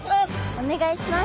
お願いします。